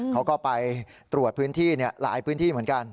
เขาก็ไปตรวจพื้นที่หลายพื้นที่เหมือนกัน